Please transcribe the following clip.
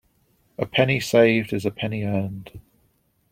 A penny saved is a penny earned.